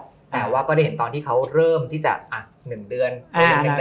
แต่ว่าก็ได้เห็นตอนที่เขาเริ่มที่จะ๑เดือน